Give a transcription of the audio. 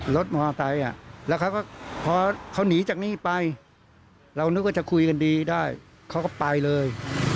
รถมอเตอร์ไซค์แล้วเขาก็พอเขาหนีจากนี่ไปเรานึกว่าจะคุยกันดีได้เขาก็ไปเลย